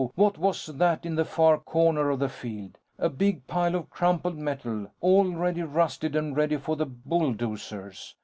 What was that in the far corner of the field?_ A big pile of crumpled metal, already rusted and ready for the bulldozers.